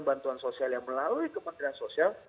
bantuan sosial yang melalui kementerian sosial